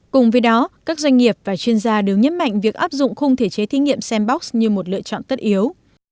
cùng với đó các doanh nghiệp và chuyên gia đều nhấn mạnh việc áp dụng khung thể chế thí nghiệm sanbox như một lựa chọn tất yếu